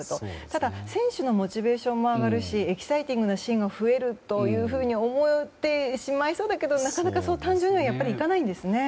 ただ、選手のモチベーションも上がるしエキサイティングなシーンが増えるというふうに思ってしまいそうだけどなかなか、そう単純にはやっぱりいかないんですね。